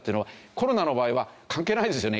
コロナの場合は関係ないんですよね。